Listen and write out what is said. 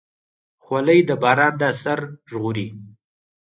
خولۍ د باران نه سر ژغوري.